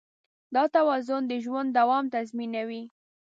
دا توازن د ژوند دوام تضمینوي.